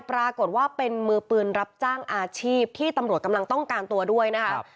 ปรากฏว่าเป็นมือปืนรับจ้างอาชีพที่ตำรวจกำลังต้องการตัวด้วยนะครับ